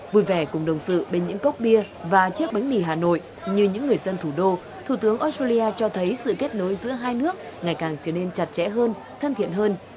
vui vẻ cùng đồng sự bên những cốc bia và chiếc bánh mì hà nội như những người dân thủ đô thủ tướng australia cho thấy sự kết nối giữa hai nước ngày càng trở nên chặt chẽ hơn thân thiện hơn